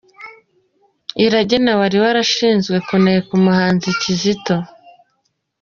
Iragena wari warashinzwe kuneka umuhanzi Kizito